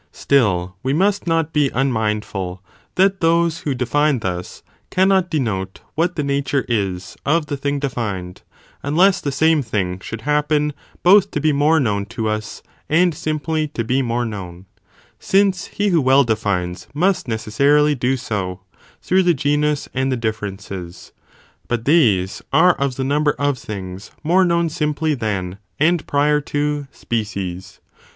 Still we must not be unmindful that those who define thus, cannot denote what the nature is of the thing defined, unless the same thing should happen both to be more known to us, and simply to be more known, since he who well defines must necessarily do sd, through the genus and the differences, but these are of the number of things more known simply than, and prior to, species.